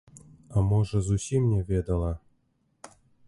А можа зусім не ведала?